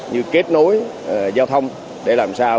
như kết nối giao thông để làm sao